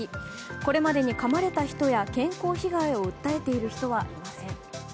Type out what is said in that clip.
これまでにかまれた人や健康被害を訴えている人はいません。